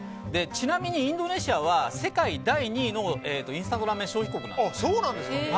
ちなみにインドネシアは世界第２位のインスタントラーメン消費国なんです。